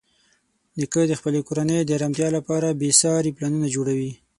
نیکه د خپلې کورنۍ د ارامتیا لپاره بېساري پلانونه جوړوي.